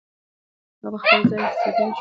هغه په خپل ځای کې سیده شو او وېښتان یې سم کړل.